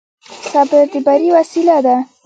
صبر د بري وسيله ده.